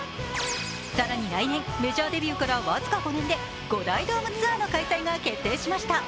更に来年、メジャーデビューから僅か５年で５大ドームツアーの開催が決定しました。